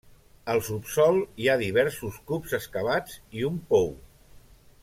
Al subsòl hi ha diversos cups excavats i un pou.